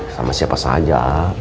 sama siapa saja